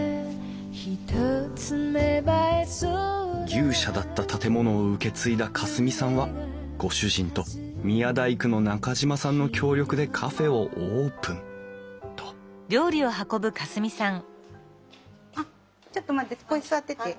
「牛舎だった建物を受け継いだ夏澄さんはご主人と宮大工の中島さんの協力でカフェをオープン」とここに座ってて。